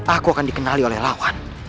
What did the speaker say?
aku akan dikenali oleh lawan